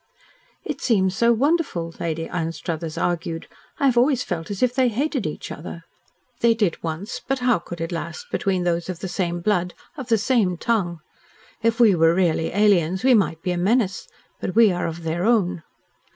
"It seems so wonderful," Lady Anstruthers argued. "I have always felt as if they hated each other." "They did once but how could it last between those of the same blood of the same tongue? If we were really aliens we might be a menace. But we are of their own."